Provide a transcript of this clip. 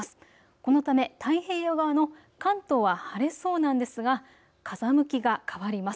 このため太平洋側の関東は晴れそうなんですが風向きが変わります。